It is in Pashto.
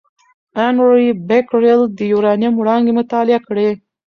انري بکرېل د یورانیم وړانګې مطالعه کړې.